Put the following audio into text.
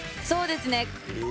そうですね。